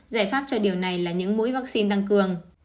giải pháp cho điều này là những mũi vaccine tăng cường